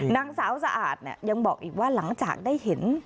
นางสาวสะอาดยังบอกอีกว่าหลังจากได้เห็น